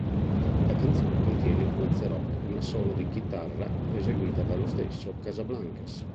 La canzone contiene influenze rock e un assolo di chitarra, eseguito dallo stesso Casablancas.